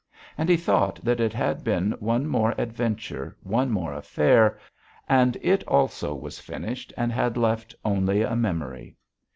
And he thought that it had been one more adventure, one more affair, and it also was finished and had left only a memory.